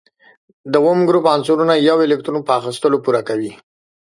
د اووم ګروپ عنصرونه یو الکترون په اخیستلو پوره کوي.